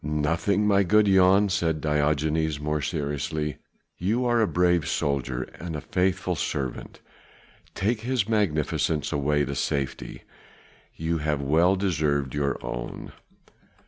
"Nothing, my good Jan," said Diogenes more seriously, "you are a brave soldier and a faithful servant. Take his Magnificence away to safety. You have well deserved your own."